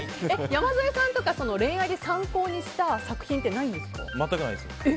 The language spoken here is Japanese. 山添さんとか恋愛で参考にした作品とか全くないです。